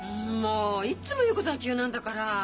いっつも言うことが急なんだから。